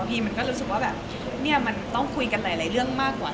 มันก็รู้สึกว่าแบบเนี่ยมันต้องคุยกันหลายเรื่องมากกว่า